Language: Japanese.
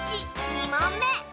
２もんめ。